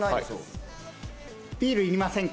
ビール要りませんか？